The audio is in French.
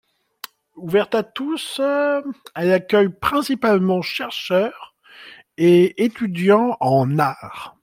Ouverte à tous, elle accueille principalement chercheurs et étudiants en art.